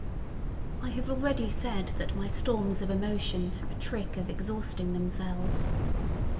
I have already said that my storms of emotion have a trick of exhausting themselves.